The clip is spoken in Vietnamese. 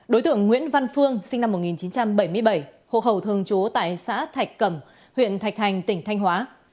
đối tượng nguyễn văn phương sinh năm một nghìn chín trăm bảy mươi bảy hộ khẩu thường trú tại xã thạch cẩm huyện thạch thành tỉnh thanh hóa